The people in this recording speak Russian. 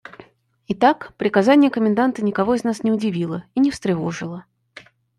Итак, приказание коменданта никого из нас не удивило и не встревожило.